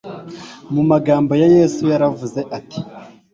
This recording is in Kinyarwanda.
mu magambo ya yesu yaravuze ati